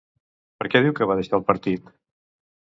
Per què diu que va deixar el partit?